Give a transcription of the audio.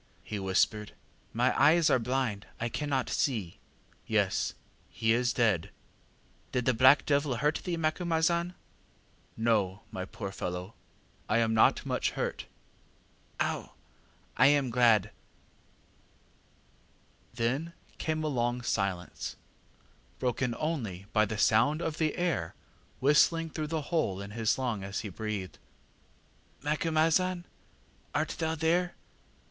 ŌĆÖ he whispered. ŌĆśMy eyes are blind; I cannot see. ŌĆÖ ŌĆ£ŌĆśYes, he is dead. ŌĆÖ ŌĆ£ŌĆśDid the black devil hurt thee, Macumazahn? ŌĆÖ ŌĆ£ŌĆśNo, my poor fellow, I am not much hurt. ŌĆÖ ŌĆ£ŌĆśOw! I am glad. ŌĆÖ ŌĆ£Then came a long silence, broken only by the sound of the air whistling through the hole in his lung as he breathed. ŌĆ£ŌĆśMacumazahn, art thou there?